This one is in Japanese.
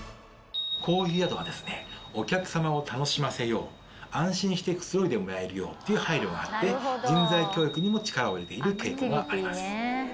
こういう宿はですねお客さまを楽しませよう安心してくつろいでもらえるようという配慮があって人材教育にも力を入れている傾向があります。